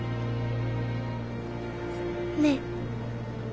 ねえ。